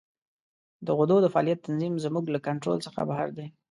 د غدو د فعالیت تنظیم زموږ له کنترول څخه بهر دی.